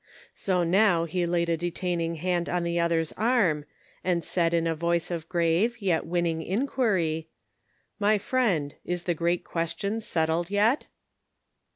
So now he laid a detaining hand on the other's arm, and said in a voice of grave, yet winning inquiry : "My friend, is the great question settled yet?"